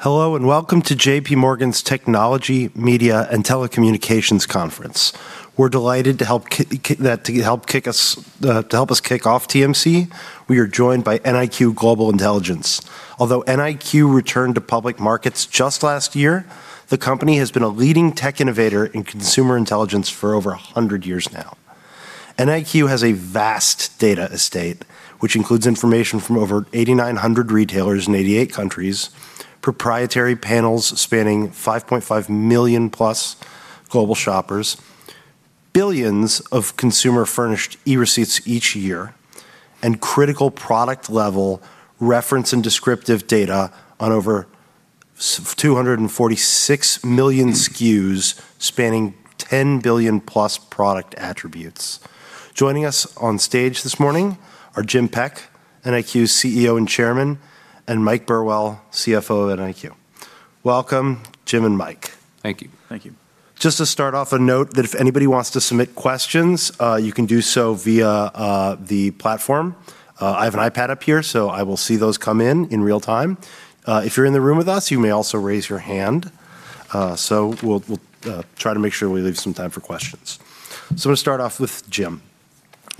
Hello and welcome to J.P. Morgan's Technology, Media and Communications Conference. We're delighted to help us kick off TMC. We are joined by NIQ Global Intelligence. Although NIQ returned to public markets just last year, the company has been a leading tech innovator in consumer intelligence for over 100 years now. NIQ has a vast data estate, which includes information from over 8,900 retailers in 88 countries, proprietary panels spanning 5.5 million-plus global shoppers, billions of consumer-furnished e-receipts each year, and critical product-level reference and descriptive data on over 246 million SKUs spanning 10 billion-plus product attributes. Joining us on stage this morning are Jim Peck, NIQ's CEO and Chairman, and Mike Burwell, CFO of NIQ. Welcome, Jim and Mike. Thank you. Thank you. Just to start off, a note that if anybody wants to submit questions, you can do so via the platform. I have an iPad up here, I will see those come in in real time. If you're in the room with us, you may also raise your hand. We'll try to make sure we leave some time for questions. I'm gonna start off with Jim.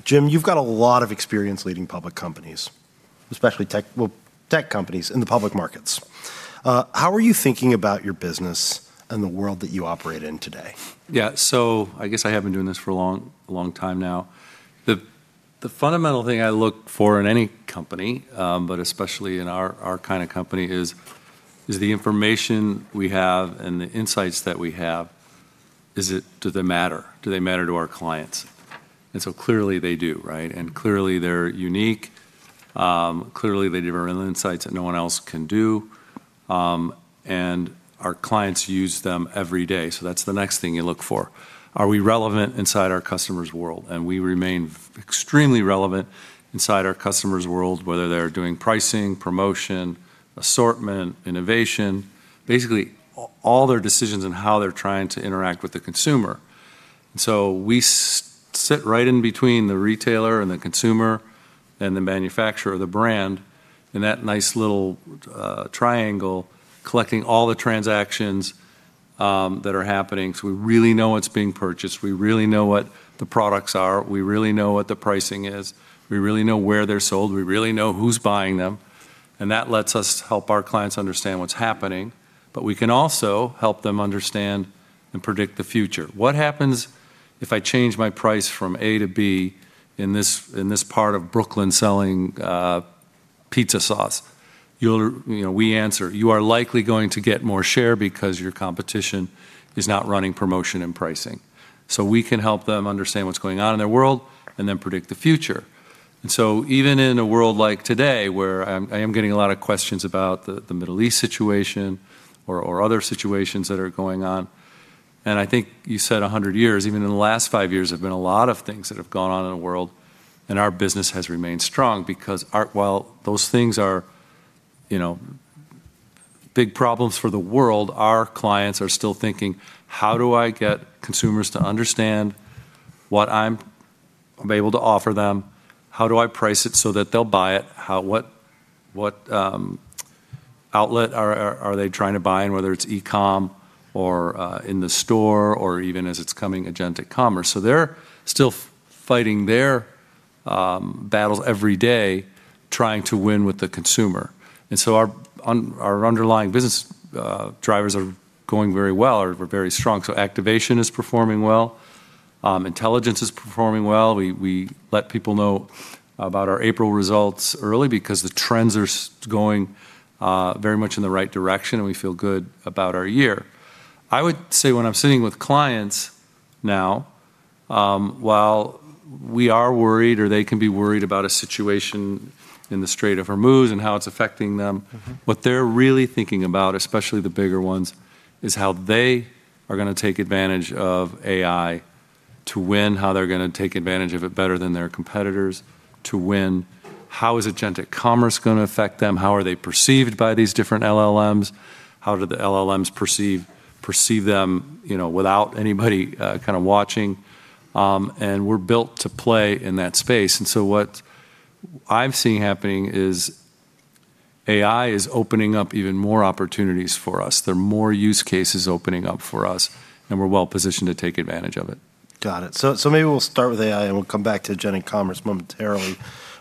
Jim, you've got a lot of experience leading public companies, especially tech companies in the public markets. How are you thinking about your business and the world that you operate in today? I guess I have been doing this for a long time now. The fundamental thing I look for in any company, but especially in our kind of company, is the information we have and the insights that we have, do they matter? Do they matter to our clients? Clearly they do, right? Clearly they're unique. Clearly they deliver insights that no one else can do. Our clients use them every day, that's the next thing you look for. Are we relevant inside our customers' world? We remain extremely relevant inside our customers' world, whether they're doing pricing, promotion, assortment, innovation. Basically, all their decisions in how they're trying to interact with the consumer. We sit right in between the retailer and the consumer and the manufacturer or the brand in that nice little triangle, collecting all the transactions that are happening. We really know what's being purchased. We really know what the products are. We really know what the pricing is. We really know where they're sold. We really know who's buying them. That lets us help our clients understand what's happening. We can also help them understand and predict the future. What happens if I change my price from A to B in this, in this part of Brooklyn selling pizza sauce? You know, we answer, "You are likely going to get more share because your competition is not running promotion and pricing." We can help them understand what's going on in their world and then predict the future. Even in a world like today where I am getting a lot of questions about the Middle East situation or other situations that are going on, I think you said 100 years, even in the last five years, there have been a lot of things that have gone on in the world, and our business has remained strong because while those things are, you know, big problems for the world, our clients are still thinking, "How do I get consumers to understand what I'm able to offer them? How do I price it so that they'll buy it? What outlet are they trying to buy?" Whether it's e-com or in the store or even as it's coming agentic commerce. They're still fighting their battles every day trying to win with the consumer. Our underlying business drivers are going very well. We're very strong. Activation is performing well. Intelligence is performing well. We let people know about our April results early because the trends are going very much in the right direction, and we feel good about our year. I would say when I'm sitting with clients now, while we are worried or they can be worried about a situation in the Strait of Hormuz and how it's affecting them. What they're really thinking about, especially the bigger ones, is how they are gonna take advantage of AI to win, how they're gonna take advantage of it better than their competitors to win. How is agentic commerce gonna affect them? How are they perceived by these different LLMs? How do the LLMs perceive them, you know, without anybody kind of watching? We're built to play in that space. What I'm seeing happening is AI is opening up even more opportunities for us. There are more use cases opening up for us, and we're well positioned to take advantage of it. Got it. Maybe we'll start with AI, and we'll come back to agentic commerce momentarily.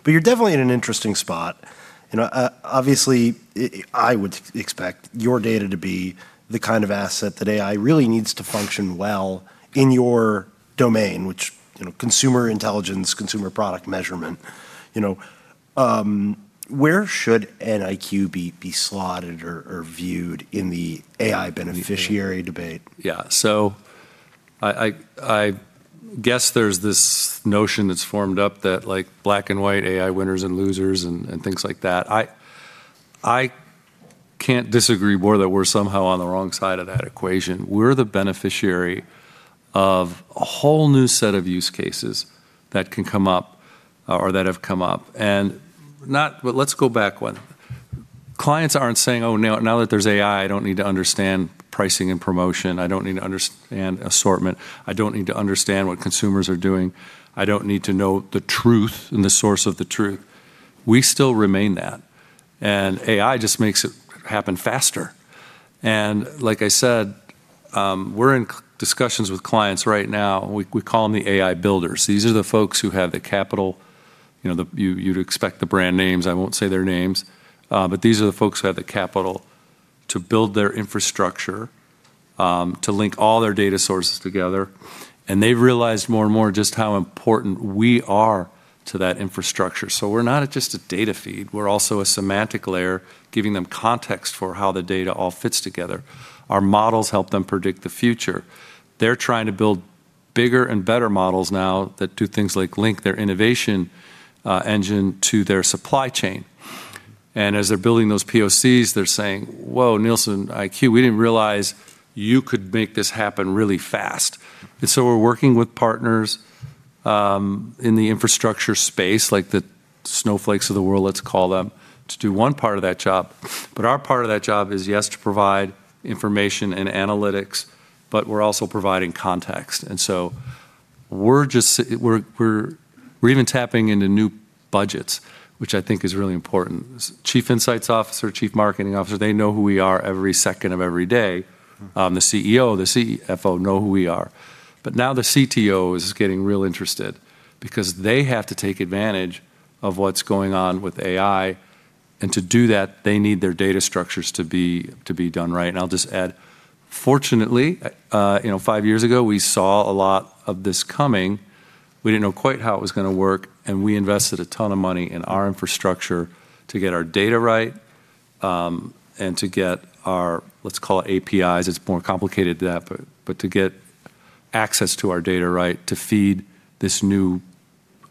You're definitely in an interesting spot. You know, obviously, I would expect your data to be the kind of asset that AI really needs to function well in your domain, which, you know, consumer intelligence, consumer product measurement, you know. Where should NIQ be slotted or viewed in the AI beneficiary debate? I guess there's this notion that's formed up that like black and white AI winners and losers and things like that. I can't disagree more that we're somehow on the wrong side of that equation. We're the beneficiary of a whole new set of use cases that can come up or that have come up. Let's go back one. Clients aren't saying, "Oh, now that there's AI, I don't need to understand pricing and promotion. I don't need to understand assortment. I don't need to understand what consumers are doing. I don't need to know the truth and the source of the truth." We still remain that. And AI just makes it happen faster. Like I said, we're in discussions with clients right now. We call them the AI builders. These are the folks who have the capital, you know, you'd expect the brand names, I won't say their names. These are the folks who have the capital to build their infrastructure, to link all their data sources together, and they've realized more and more just how important we are to that infrastructure. We're not just a data feed, we're also a semantic layer giving them context for how the data all fits together. Our models help them predict the future. They're trying to build bigger and better models now that do things like link their innovation engine to their supply chain. As they're building those POCs, they're saying, "Whoa, NIQ, we didn't realize you could make this happen really fast." We're working with partners in the infrastructure space, like the Snowflake of the world, let's call them, to do one part of that job. Our part of that job is, yes, to provide information and analytics, but we're also providing context. We're just even tapping into new budgets, which I think is really important. Chief Insights Officer, Chief Marketing Officer, they know who we are every second of every day. The CEO, the CFO know who we are. Now the CTO is getting real interested because they have to take advantage of what's going on with AI. To do that, they need their data structures to be done right. I'll just add, fortunately, you know, five years ago, we saw a lot of this coming. We didn't know quite how it was gonna work, and we invested a ton of money in our infrastructure to get our data right, and to get our, let's call it APIs, it's more complicated than that, but to get access to our data right to feed this new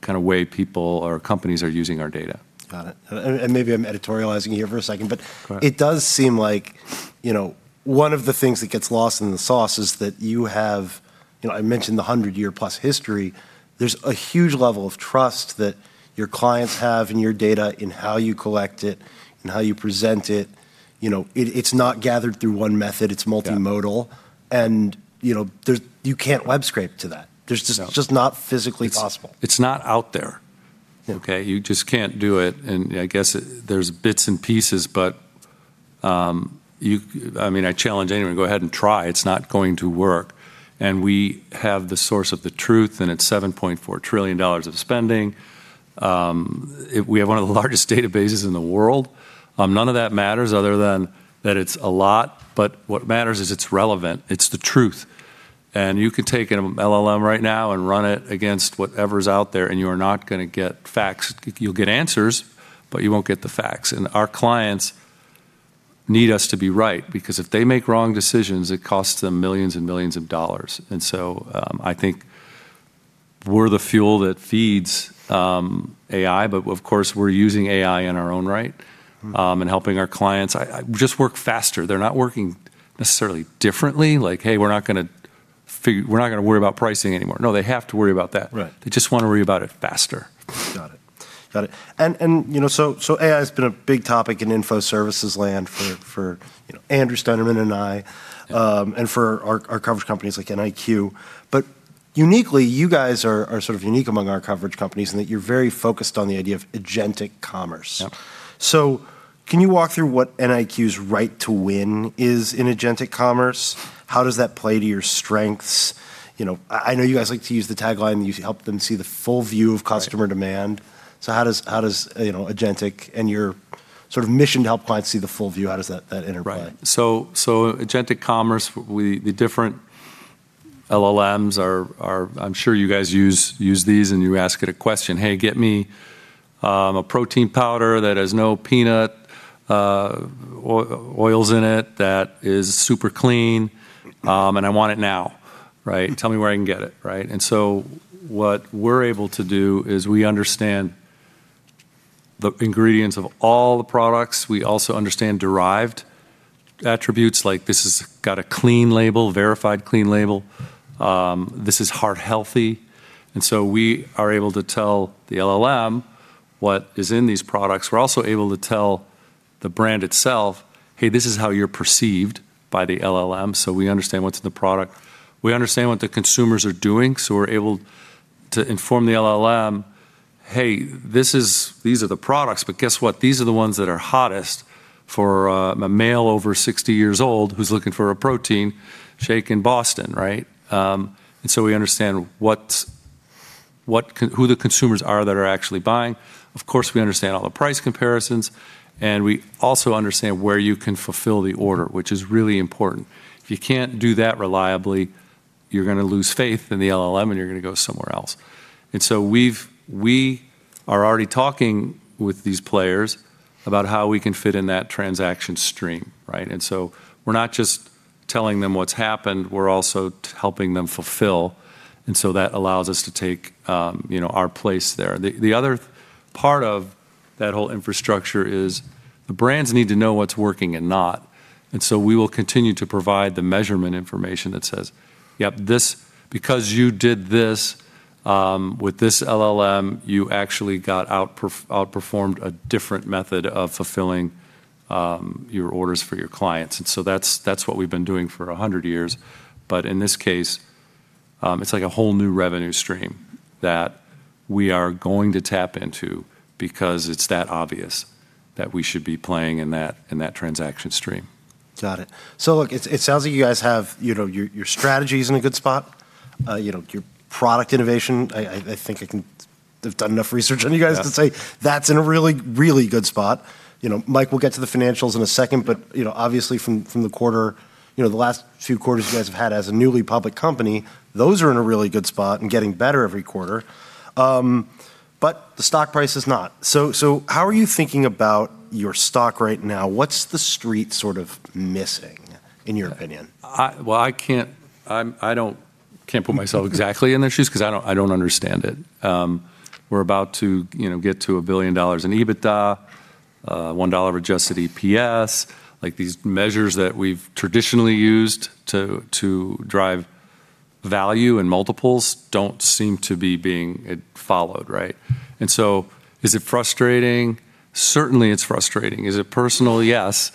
kinda way people or companies are using our data. Got it. Maybe I'm editorializing here for a second. Go ahead. it does seem like, you know, one of the things that gets lost in the sauce is that you have, you know, I mentioned the 100-year-plus history, there's a huge level of trust that your clients have in your data, in how you collect it, in how you present it. You know, it's not gathered through one method, it's multimodal. Yeah. You know, you can't web scrape to that. No. There's just not physically possible. It's not out there. Yeah. Okay? You just can't do it, and I guess there's bits and pieces, but I mean, I challenge anyone, go ahead and try. It's not going to work. We have the source of the truth, and it's $7.4 trillion of spending. We have one of the largest databases in the world. None of that matters other than that it's a lot, but what matters is it's relevant. It's the truth. You can take an LLM right now and run it against whatever's out there, and you are not gonna get facts. You'll get answers, but you won't get the facts. Our clients need us to be right, because if they make wrong decisions, it costs them millions and millions of dollars. I think we're the fuel that feeds AI, but of course, we're using AI in our own right. Helping our clients. Just work faster. They're not working necessarily differently. Like, "Hey, we're not gonna worry about pricing anymore." No, they have to worry about that. Right. They just wanna worry about it faster. Got it. Got it. You know, so AI's been a big topic in info services land for, you know, Andrew Steinerman. Yeah For our coverage companies like NIQ. Uniquely, you guys are sort of unique among our coverage companies in that you're very focused on the idea of agentic commerce. Yeah. Can you walk through what NIQ's right to win is in agentic commerce? How does that play to your strengths? You know, I know you guys like to use the tagline, you help them see The Full View of customer demand. Right. How does, you know, agentic and your sort of mission to help clients see The Full View, how does that interplay? Right. Agentic commerce, we, the different LLMs are I'm sure you guys use these and you ask it a question, "Hey, get me a protein powder that has no peanut oils in it, that is super clean, and I want it now." Right? "Tell me where I can get it," right? What we're able to do is we understand the ingredients of all the products. We also understand derived attributes, like this has got a clean label, verified clean label. This is heart healthy. We are able to tell the LLM what is in these products. We're also able to tell the brand itself, "Hey, this is how you're perceived by the LLM," so we understand what's in the product. We understand what the consumers are doing, we're able to inform the LLM, "Hey, these are the products, but guess what? These are the ones that are hottest for a male over 60 years old who's looking for a protein shake in Boston," right? We understand who the consumers are that are actually buying. Of course, we understand all the price comparisons, we also understand where you can fulfill the order, which is really important. If you can't do that reliably, you're gonna lose faith in the LLM, you're gonna go somewhere else. We are already talking with these players about how we can fit in that transaction stream, right? We're not just telling them what's happened, we're also helping them fulfill, and so that allows us to take, you know, our place there. The other part of that whole infrastructure is the brands need to know what's working and not. We will continue to provide the measurement information that says, "Yep, this Because you did this with this LLM, you actually outperformed a different method of fulfilling your orders for your clients." That's what we've been doing for 100 years. In this case, it's like a whole new revenue stream that we are going to tap into because it's that obvious that we should be playing in that, in that transaction stream. Got it. Look, it sounds like you guys have, you know, your strategy's in a good spot. you know, your product innovation, I think I've done enough research on you guys. Yeah to say that's in a really, really good spot. You know, Mike will get to the financials in a second, but, you know, obviously from the quarter, you know, the last few quarters you guys have had as a newly public company, those are in a really good spot and getting better every quarter. The stock price is not. How are you thinking about your stock right now? What's the Street sort of missing, in your opinion? I can't put myself exactly in their shoes 'cause I don't understand it. We're about to, you know, get to a $1 billion in EBITDA, $1 of adjusted EPS. These measures that we've traditionally used to drive value and multiples don't seem to be being followed, right? Is it frustrating? Certainly, it's frustrating. Is it personal? Yes.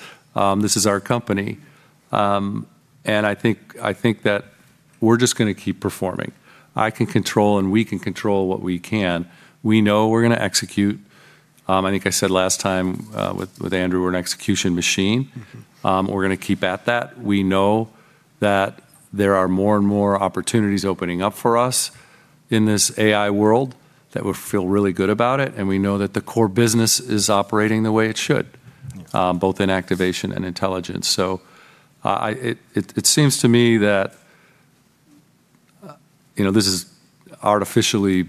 This is our company. I think that we're just gonna keep performing. We can control what we can. We know we're gonna execute. I think I said last time with Andrew, we're an execution machine. We're gonna keep at that. We know that there are more and more opportunities opening up for us in this AI world that we feel really good about it, and we know that the core business is operating the way it should. Yes both in activation and intelligence. You know, this is artificially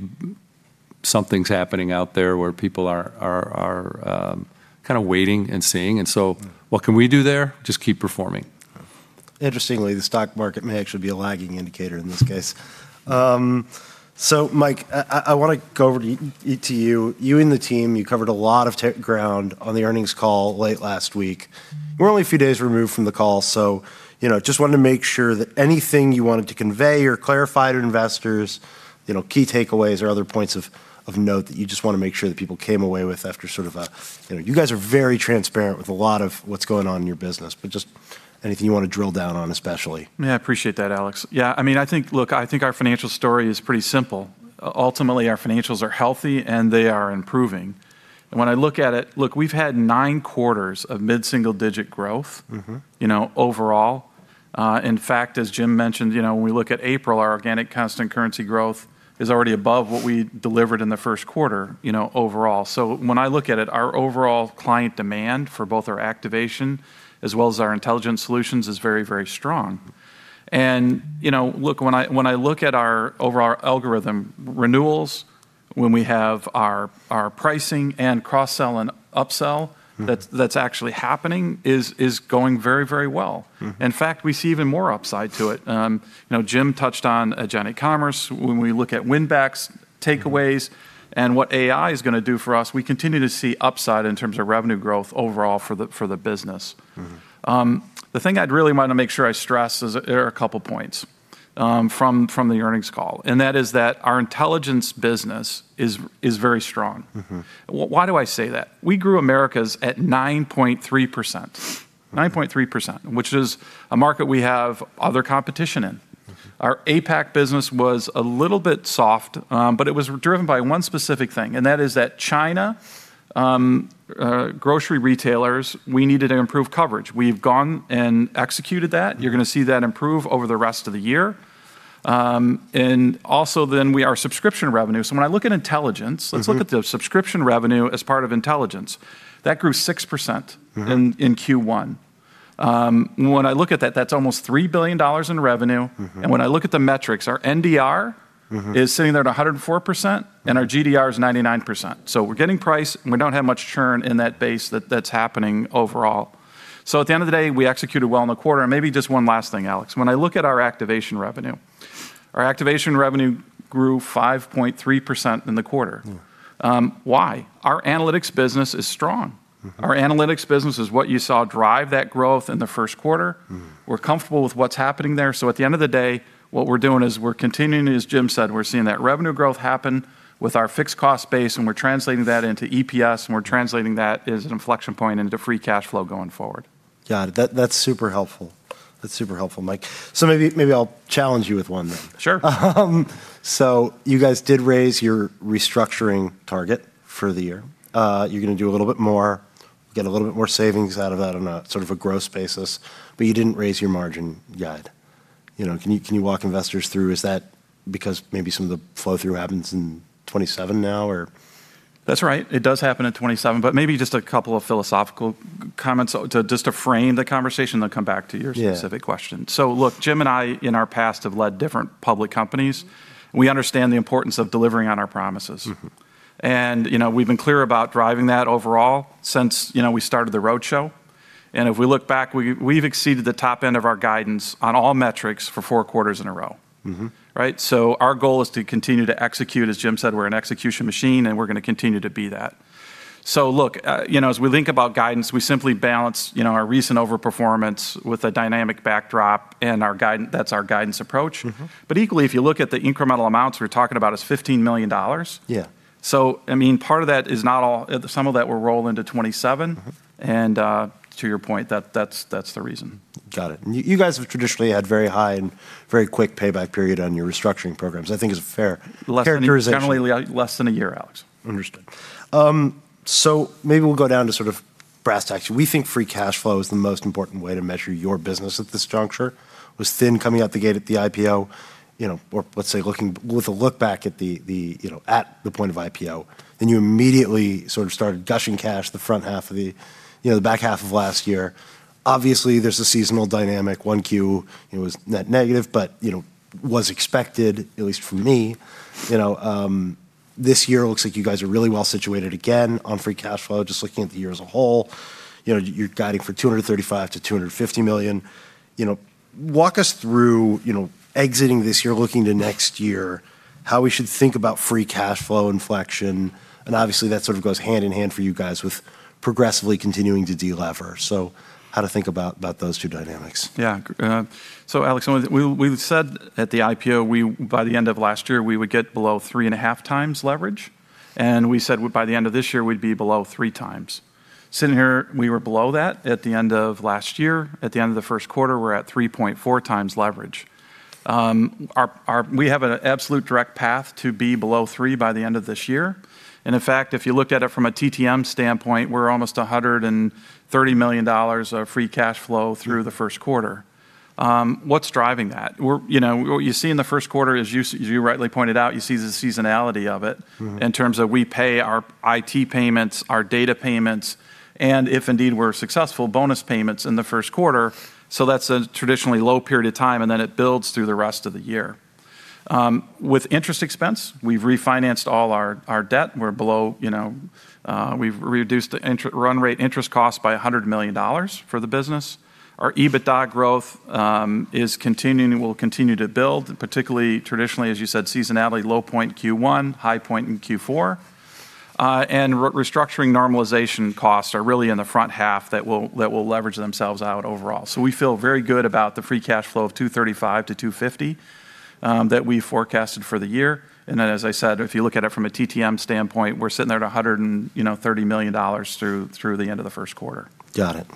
something's happening out there where people are kind of waiting and seeing. What can we do there? Just keep performing. Interestingly, the stock market may actually be a lagging indicator in this case. Mike, I wanna go over to you. You and the team, you covered a lot of ground on the earnings call late last week. We're only a few days removed from the call, you know, just wanted to make sure that anything you wanted to convey or clarify to investors, you know, key takeaways or other points of note that you just wanna make sure that people came away with after sort of You know, you guys are very transparent with a lot of what's going on in your business. Just anything you wanna drill down on especially. I appreciate that, Alex. I mean, I think, look, I think our financial story is pretty simple. Ultimately, our financials are healthy, and they are improving. When I look at it, look, we've had nine quarters of mid-single-digit growth. you know, overall. In fact, as Jim mentioned, you know, when we look at April, our organic constant currency growth is already above what we delivered in the first quarter, you know, overall. When I look at it, our overall client demand for both our activation as well as our intelligence solutions is very, very strong. you know, look, when I look at our overall algorithm renewals, when we have our pricing and cross-sell and upsell. That's actually happening is going very, very well. In fact, we see even more upside to it. you know, Jim touched on agentic commerce. When we look at win-backs, takeaways. What AI is gonna do for us, we continue to see upside in terms of revenue growth overall for the business. The thing I'd really wanna make sure I stress is there are a couple points from the earnings call, and that is that our intelligence business is very strong. Why do I say that? We grew Americas at 9.3%, which is a market we have other competition in. Our APAC business was a little bit soft, but it was driven by one specific thing, and that is that China grocery retailers, we needed to improve coverage. We've gone and executed that. You're gonna see that improve over the rest of the year. Our subscription revenue. Let's look at the subscription revenue as part of intelligence. That grew 6% in Q1. When I look at that's almost $3 billion in revenue. When I look at the metrics, our NDR- is sitting there at 104%, and our GDR is 99%. We're getting price, and we don't have much churn in that base that's happening overall. At the end of the day, we executed well in the quarter. Maybe just one last thing, Alex. When I look at our activation revenue, our activation revenue grew 5.3% in the quarter. Why? Our analytics business is strong. Our analytics business is what you saw drive that growth in the first quarter. We're comfortable with what's happening there. At the end of the day, what we're doing is we're continuing, as Jim said, we're seeing that revenue growth happen with our fixed cost base, and we're translating that into EPS, and we're translating that as an inflection point into free cash flow going forward. Got it. That's super helpful. That's super helpful, Mike. Maybe I'll challenge you with one then. Sure. You guys did raise your restructuring target for the year. You're gonna do a little bit more, get a little bit more savings out of that on a sort of a gross basis, but you didn't raise your margin guide. You know, can you walk investors through, is that because maybe some of the flow-through happens in 2027 now or? That's right. It does happen in 2027. Maybe just a couple of philosophical comments, just to frame the conversation, then come back to your specific question. Yeah. Look, Jim and I, in our past, have led different public companies. We understand the importance of delivering on our promises. You know, we've been clear about driving that overall since, you know, we started the roadshow. If we look back, we've exceeded the top end of our guidance on all metrics for four quarters in a row. Right? Our goal is to continue to execute. As Jim said, we're an execution machine, and we're gonna continue to be that. Look, you know, as we think about guidance, we simply balance, you know, our recent overperformance with a dynamic backdrop, and our guidance, that's our guidance approach. Equally, if you look at the incremental amounts we're talking about is $15 million. Yeah. I mean, part of that is not all, some of that will roll into 2027. To your point, that's the reason. Got it. You guys have traditionally had very high and very quick payback period on your restructuring programs. I think it's a fair characterization. Less than a year, generally less than a year, Alex. Understood. Maybe we'll go down to sort of brass tacks. We think free cash flow is the most important way to measure your business at this juncture. Was thin coming out the gate at the IPO, you know, or let's say looking with a look back at the, you know, at the point of IPO. You immediately sort of started gushing cash the front half of the, you know, the back half of last year. Obviously, there's a seasonal dynamic. One Q, you know, was net negative, but, you know, was expected, at least from me. You know, this year looks like you guys are really well situated again on free cash flow, just looking at the year as a whole. You know, you're guiding for $235 million-$250 million. You know, walk us through, you know, exiting this year, looking to next year, how we should think about free cash flow inflection, and obviously that sort of goes hand-in-hand for you guys with progressively continuing to de-lever. How to think about those two dynamics. Alex, only we said at the IPO, by the end of last year, we would get below 3.5 times leverage, and we said by the end of this year, we'd be below 3 times. Sitting here, we were below that at the end of last year. At the end of the first quarter, we're at 3.4 times leverage. We have an absolute direct path to be below 3 by the end of this year, and in fact, if you looked at it from a TTM standpoint, we're almost $130 million of free cash flow through the first quarter. What's driving that? You know, what you see in the first quarter is as you rightly pointed out, you see the seasonality of it. in terms of we pay our IT payments, our data payments, and if indeed we're successful, bonus payments in the first quarter. That's a traditionally low period of time, and then it builds through the rest of the year. With interest expense, we've refinanced all our debt. We're below, you know, we've reduced the run rate interest cost by $100 million for the business. Our EBITDA growth will continue to build, particularly traditionally, as you said, seasonality, low point Q1, high point in Q4. Restructuring normalization costs are really in the front half that will leverage themselves out overall. We feel very good about the free cash flow of $235 million-$250 million that we forecasted for the year. As I said, if you look at it from a TTM standpoint, we're sitting there at, you know, $130 million through the end of the first quarter. Got it.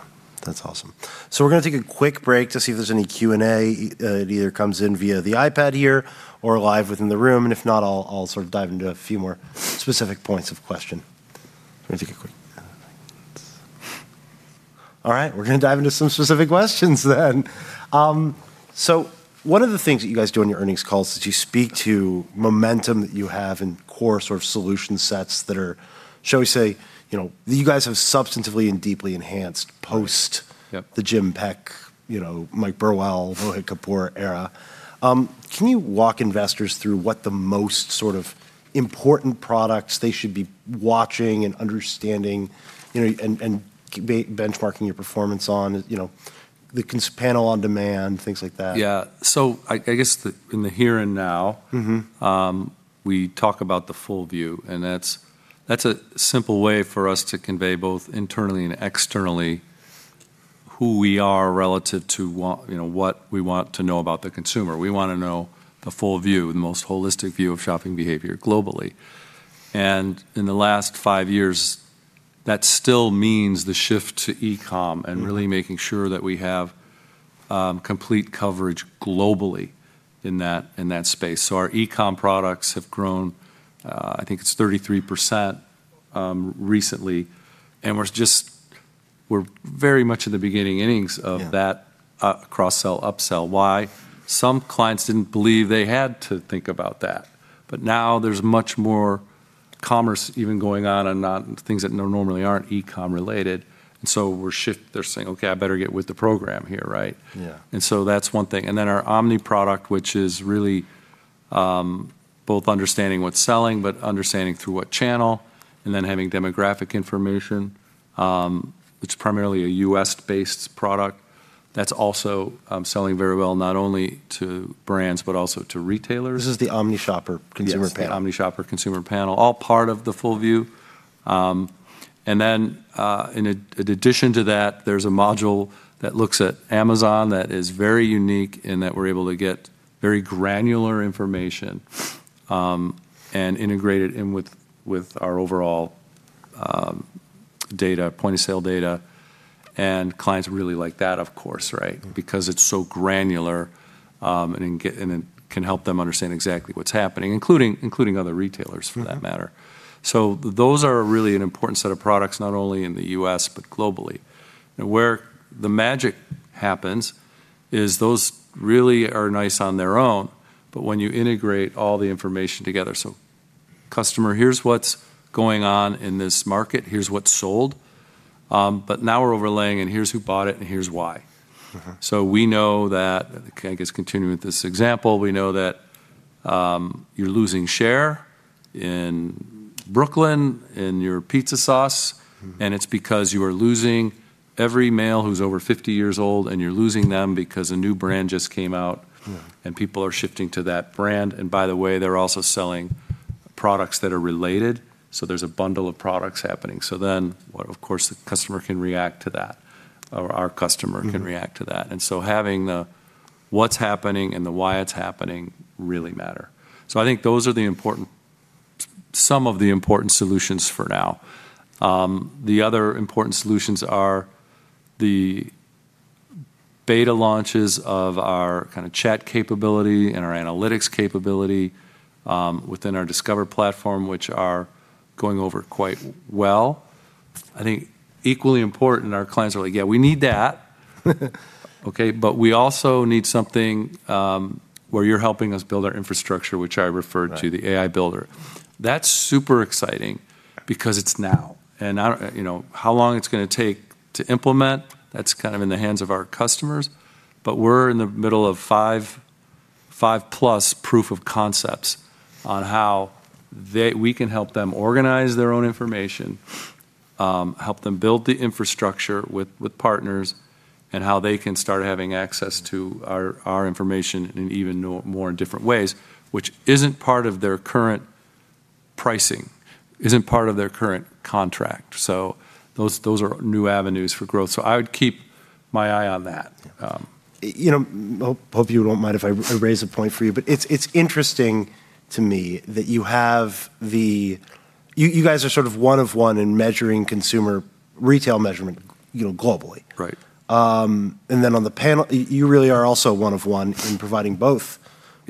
That's awesome. We're gonna take a quick break to see if there's any Q&A, either comes in via the iPad here or live within the room. If not, I'll sort of dive into a few more specific points of question. All right, we're gonna dive into some specific questions then. One of the things that you guys do on your earnings calls is you speak to momentum that you have in core sort of solution sets that are, shall we say, you know, you guys have substantively and deeply enhanced post- Yep the Jim Peck, you know, Mike Burwell, Mohit Kapoor era. Can you walk investors through what the most sort of important products they should be watching and understanding, you know, and benchmarking your performance on? You know, the Panel on Demand, things like that. Yeah. I guess in the here and now. We talk about The Full View, that's a simple way for us to convey both internally and externally who we are relative to you know, what we want to know about the consumer. We wanna know The Full View, the most holistic view of shopping behavior globally. In the last five years, that still means the shift to e-com and really making sure that we have complete coverage globally in that space. Our e-com products have grown, I think it's 33%, recently, and we're just, we're very much in the beginning innings of that. Yeah cross-sell, upsell. Why? Some clients didn't believe they had to think about that, now there's much more commerce even going on on things that normally aren't e-com related. they're saying, "Okay, I better get with the program here, right? Yeah. That's one thing. Our omni product, which is really, both understanding what's selling but understanding through what channel and then having demographic information, it's primarily a U.S.-based product. That's also, selling very well, not only to brands but also to retailers. This is the omni shopper consumer panel. Yes, the omni shopper consumer panel. All part of The Full View. In addition to that, there's a module that looks at Amazon that is very unique in that we're able to get very granular information and integrate it in with our overall data, point of sale data, and clients really like that, of course, right? Because it's so granular, and it can help them understand exactly what's happening, including other retailers for that matter. Those are really an important set of products, not only in the U.S., but globally. Now, where the magic happens is those really are nice on their own, but when you integrate all the information together. Customer, here's what's going on in this market, here's what sold, but now we're overlaying and here's who bought it and here's why. We know that, I guess continuing with this example, we know that, you're losing share in Brooklyn in your pizza sauce. It's because you are losing every male who's over 50 years old, and you're losing them because a new brand just came out. Yeah People are shifting to that brand. By the way, they're also selling products that are related, so there's a bundle of products happening. Well, of course, the customer can react to that, or our customer can react to that. Having the what's happening and the why it's happening really matter. I think those are the important. Some of the important solutions for now. The other important solutions are the beta launches of our kind of chat capability and our analytics capability within our Discover platform, which are going over quite well. I think equally important, our clients are like, "Yeah, we need that." Okay? "But we also need something where you're helping us build our infrastructure," which I referred to. Right the AI Builder. That's super exciting because it's now, and I don't You know, how long it's gonna take to implement, that's kind of in the hands of our customers. We're in the middle of 5-plus proof of concepts on how we can help them organize their own information, help them build the infrastructure with partners, and how they can start having access to our information in even more and different ways, which isn't part of their current pricing, isn't part of their current contract. Those are new avenues for growth, so I would keep my eye on that. You know, hope you won't mind if I raise a point for you. It's interesting to me that you guys are sort of one of one in measuring consumer retail measurement, you know, globally. Right. Then on the panel, you really are also one of one in providing both. Yes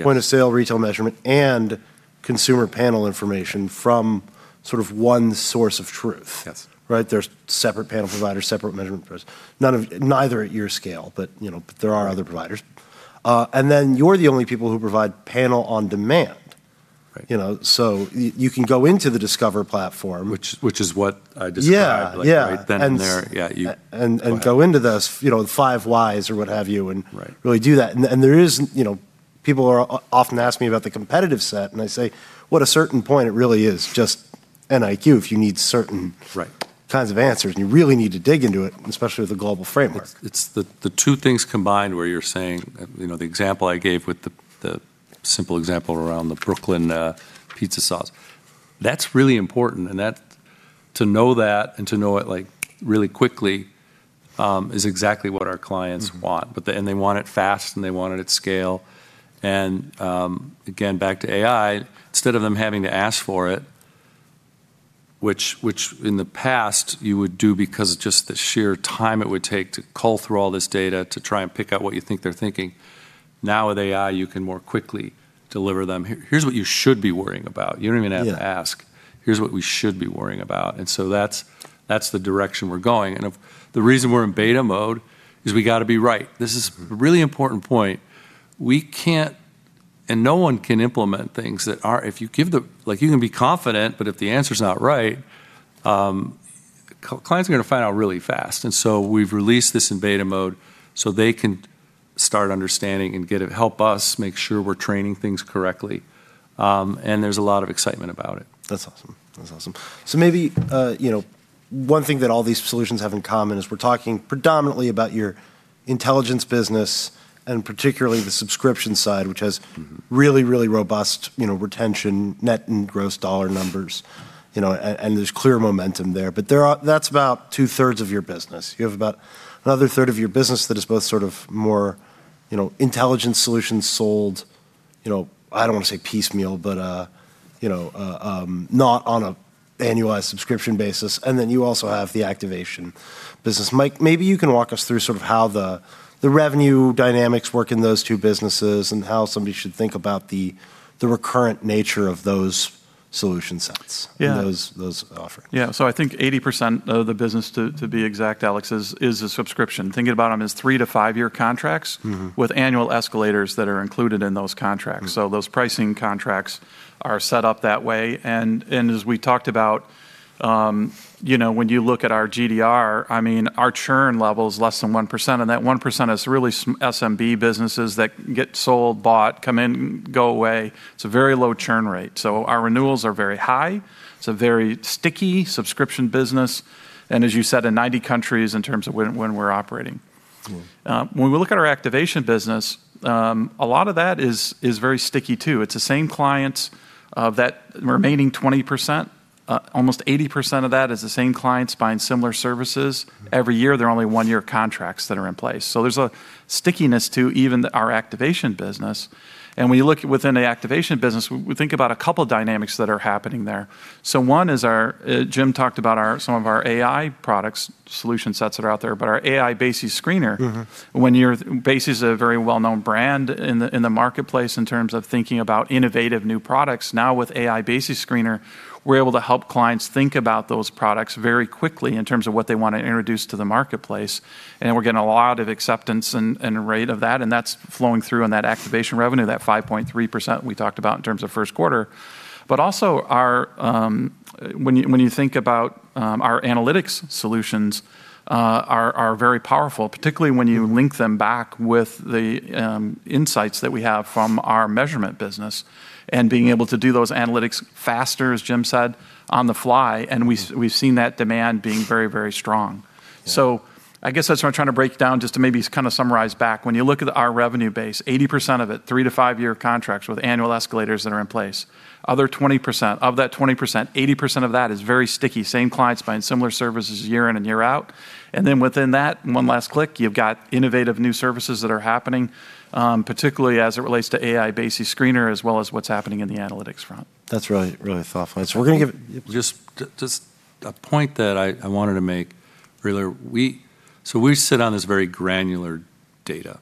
point of sale retail measurement and consumer panel information from sort of one source of truth. Yes. Right. There's separate panel providers, separate measurement providers. Neither at your scale, but, you know, there are other providers. You're the only people who provide Panel on Demand. Right. You know, you can go into the Discover platform. Which is what I described. Yeah, yeah. like right then and there. Yeah, And, and- Go ahead. go into those, you know, five whys or what have you. Right really do that. There is, you know, people often ask me about the competitive set. I say to a certain point it really is just NIQ. Right kinds of answers, and you really need to dig into it, especially with a global framework. It's the two things combined where you're saying, you know, the example I gave with the simple example around the Brooklyn pizza sauce. That's really important, and that, to know that and to know it, like, really quickly, is exactly what our clients want. They want it fast, and they want it at scale. Again, back to AI, instead of them having to ask for it, which in the past you would do because of just the sheer time it would take to cull through all this data to try and pick out what you think they're thinking. Now with AI, you can more quickly deliver them, "Here, here's what you should be worrying about." You don't even have to ask. Yeah. Here's what we should be worrying about. That's the direction we're going. The reason we're in beta mode is we gotta be right. This is a really important point. We can't, and no one can implement things that aren't. You can be confident, but if the answer's not right, clients are gonna find out really fast. We've released this in beta mode so they can start understanding and get it, help us make sure we're training things correctly. There's a lot of excitement about it. That's awesome. maybe, you know, one thing that all these solutions have in common is we're talking predominantly about your intelligence business and particularly the subscription side, which has- really, really robust, you know, retention, net and gross dollar numbers, you know, and there's clear momentum there. That's about two-thirds of your business. You have about another third of your business that is both sort of more, you know, intelligence solutions sold, you know, I don't want to say piecemeal, but, not on a annualized subscription basis, and then you also have the activation business. Mike, maybe you can walk us through sort of how the revenue dynamics work in those two businesses and how somebody should think about the recurrent nature of those solution sets. Yeah those offerings. Yeah, I think 80% of the business to be exact, Alex, is a subscription. Thinking about them as three-to-five-year contracts. with annual escalators that are included in those contracts. Those pricing contracts are set up that way. As we talked about, you know, when you look at our GDR, I mean, our churn level is less than 1%, and that 1% is really SMB businesses that get sold, bought, come in, go away. It's a very low churn rate. Our renewals are very high. It's a very sticky subscription business, and as you said, in 90 countries in terms of when we're operating. Yeah. When we look at our activation business, a lot of that is very sticky, too. It's the same clients. Of that remaining 20%, almost 80% of that is the same clients buying similar services every year. They're only 1-year contracts that are in place. There's a stickiness to even our activation business. When you look within the activation business, we think about a couple dynamics that are happening there. One is our, Jim talked about our, some of our AI products, solution sets that are out there. Our BASES AI Screener. When you're BASES's a very well-known brand in the marketplace in terms of thinking about innovative new products. Now with BASES AI Screener, we're able to help clients think about those products very quickly in terms of what they wanna introduce to the marketplace, and we're getting a lot of acceptance and rate of that, and that's flowing through in that activation revenue, that 5.3% we talked about in terms of first quarter. Also our when you think about our analytics solutions are very powerful, particularly when you link them back with the insights that we have from our measurement business, and being able to do those analytics faster, as Jim said, on the fly, and we've seen that demand being very, very strong. Yeah. I guess that's what I'm trying to break down just to maybe kind of summarize back. When you look at our revenue base, 80% of it, three to five-year contracts with annual escalators that are in place. Other 20%, of that 20%, 80% of that is very sticky. Same clients buying similar services year in and year out. Then within that, and one last click, you've got innovative new services that are happening, particularly as it relates to BASES AI Screener as well as what's happening in the analytics front. That's really, really thoughtful. A point that I wanted to make earlier, we sit on this very granular data,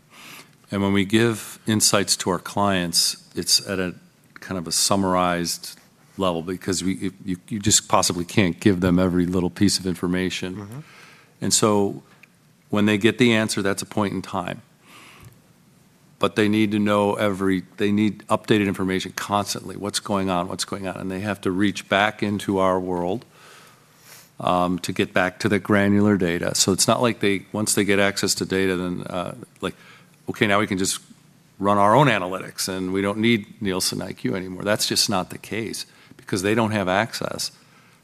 and when we give insights to our clients, it's at a kind of a summarized level because we just possibly can't give them every little piece of information. When they get the answer, that's a point in time. They need updated information constantly, what's going on, and they have to reach back into our world to get back to the granular data. It's not like they, once they get access to data, then, like, okay, now we can just run our own analytics and we don't need NIQ anymore. That's just not the case because they don't have access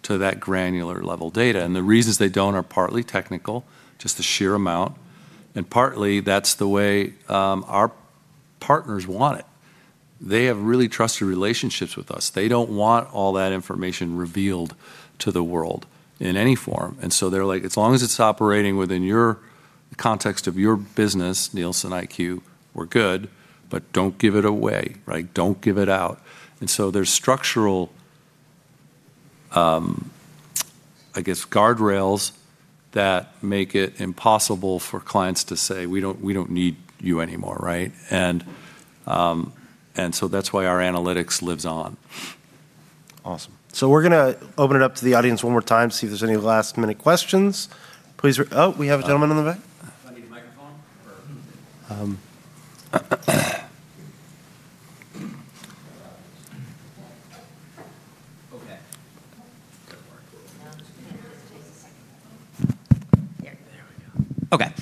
to that granular level data, and the reasons they don't are partly technical, just the sheer amount, and partly that's the way our partners want it. They have really trusted relationships with us. They don't want all that information revealed to the world in any form. They're like, "As long as it's operating within your context of your business, NIQ, we're good, but don't give it away," right? "Don't give it out." There's structural, I guess, guardrails that make it impossible for clients to say, "We don't need you anymore," right? That's why our analytics lives on. Awesome. We're gonna open it up to the audience one more time, see if there's any last-minute questions. Please, we have a gentleman in the back. Do I need a microphone or. Okay.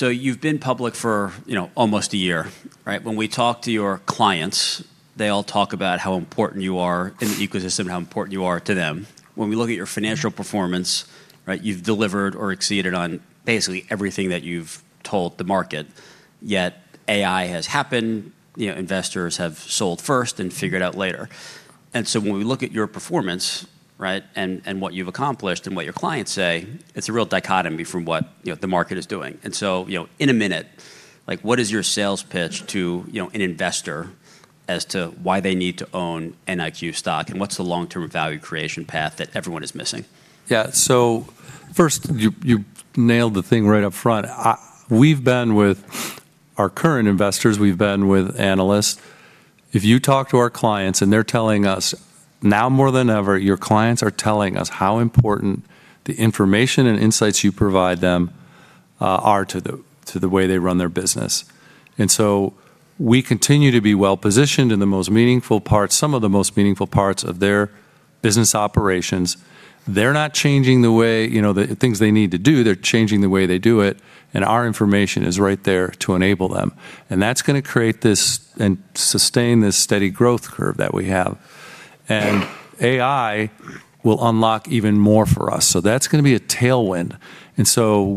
There we go. Okay. You've been public for, you know, almost a year, right? When we talk to your clients, they all talk about how important you are in the ecosystem, how important you are to them. When we look at your financial performance, right, you've delivered or exceeded on basically everything that you've told the market. Yet AI has happened, you know, investors have sold first and figured out later. When we look at your performance, right, and what you've accomplished and what your clients say, it's a real dichotomy from what, you know, the market is doing. You know, in a minute, like, what is your sales pitch to, you know, an investor as to why they need to own NIQ stock, and what's the long-term value creation path that everyone is missing? Yeah. First, you nailed the thing right up front. We've been with our current investors, we've been with analysts. If you talk to our clients and they're telling us, now more than ever, your clients are telling us how important the information and insights you provide them are to the way they run their business. We continue to be well-positioned in the most meaningful parts, some of the most meaningful parts of their business operations. They're not changing the way, you know, the things they need to do. They're changing the way they do it, and our information is right there to enable them, and that's gonna create this, and sustain this steady growth curve that we have. AI will unlock even more for us, so that's gonna be a tailwind.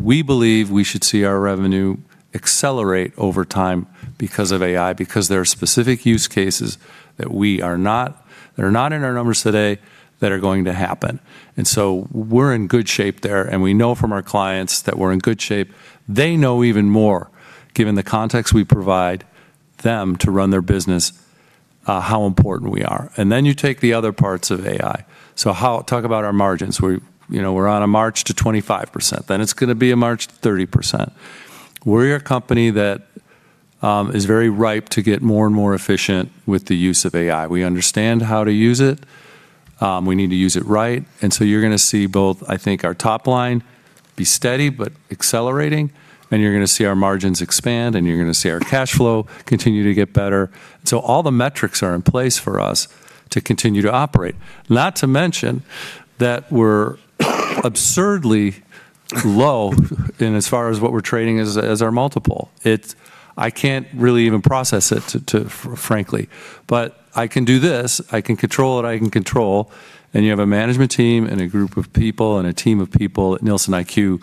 We believe we should see our revenue accelerate over time because of AI, because there are specific use cases that we are not, that are not in our numbers today that are going to happen. We're in good shape there, and we know from our clients that we're in good shape. They know even more, given the context we provide them to run their business, how important we are. You take the other parts of AI. How talk about our margins. We, you know, we're on a march to 25%, then it's gonna be a march to 30%. We're a company that is very ripe to get more and more efficient with the use of AI. We understand how to use it. We need to use it right. You're gonna see both, I think, our top line be steady but accelerating, and you're gonna see our margins expand, and you're gonna see our cash flow continue to get better. All the metrics are in place for us to continue to operate. Not to mention that we're absurdly low in as far as what we're trading as our multiple. It's I can't really even process it frankly. I can do this. I can control what I can control, and you have a management team and a group of people and a team of people at NIQ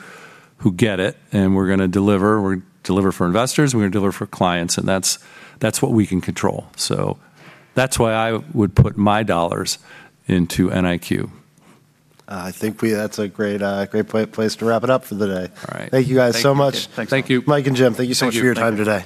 who get it, and we're gonna deliver. We're gonna deliver for investors, and we're gonna deliver for clients, and that's what we can control. That's why I would put my dollars into NIQ. I think we that's a great place to wrap it up for the day. All right. Thank you guys so much. Thank you. Mike and Jim, thank you so much for your time today.